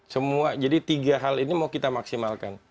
semua jadi tiga hal ini mau kita maksimalkan